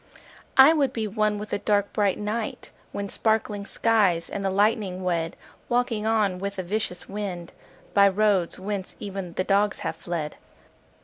I would be one with the dark bright night When sparkling skies and the lightning wed— Walking on with the vicious wind By roads whence even the dogs have fled.